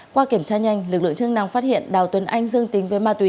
qua kiểm tra nhanh lực lượng chức năng phát hiện đào tuấn anh dương tính với ma túy